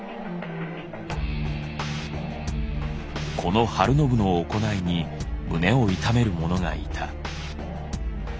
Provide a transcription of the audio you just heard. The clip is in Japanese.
この晴信の行いに胸を痛める者がいた。